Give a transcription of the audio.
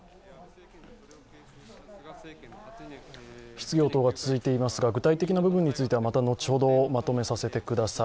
質疑応答が続いていますが具体的な部分については後ほどまとめさせてください。